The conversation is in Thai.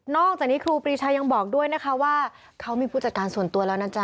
อกจากนี้ครูปรีชายังบอกด้วยนะคะว่าเขามีผู้จัดการส่วนตัวแล้วนะจ๊